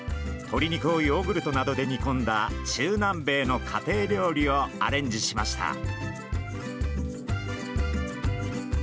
鶏肉をヨーグルトなどで煮込んだ中南米の家庭料理をアレンジしました。